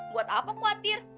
buat apa khawatir